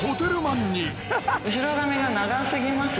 後ろ髪が長過ぎますね。